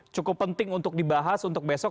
cukup penting untuk dibahas untuk besok